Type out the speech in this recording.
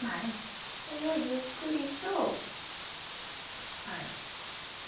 それをゆっくりとはい。